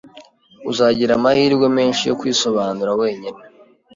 Uzagira amahirwe menshi yo kwisobanura wenyine